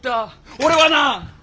俺はな！